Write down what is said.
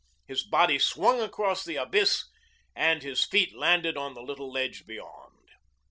His body swung across the abyss and his feet landed on the little ledge beyond.